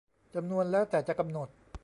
จำนวนแล้วแต่จะกำหนด